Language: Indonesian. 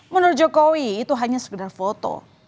menurut jokowi itu hanya sekedar foto